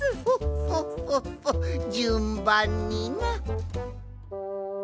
フォッフォッフォッじゅんばんにな。